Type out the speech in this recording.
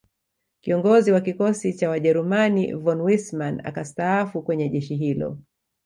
Kiongozi wa Kikosi cha Wajerumani von Wissmann akastaafu kwenye jeshi hilo